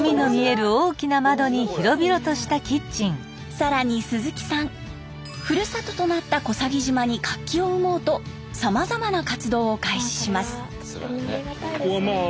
更に鈴木さんふるさととなった小佐木島に活気を生もうとさまざまな活動を開始します。